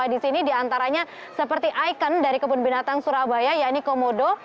satwa di sini diantaranya seperti ikan dari kebun binatang surabaya yakni komodo